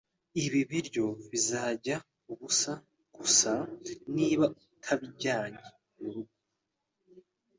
Ibi biryo bizajya ubusa gusa niba utabijyanye murugo